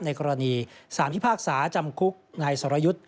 ในกรณี๓พิพากษาจำคุกในสอรยุทธ์